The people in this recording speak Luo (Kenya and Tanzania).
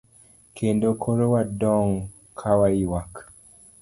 Kendo koro wadong' kawaywak.